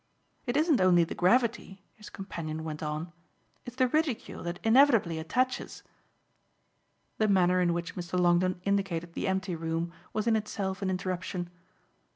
"It isn't only the gravity," his companion went on; "it's the ridicule that inevitably attaches !" The manner in which Mr. Longdon indicated the empty room was in itself an interruption.